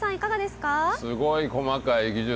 すごい細かい技術。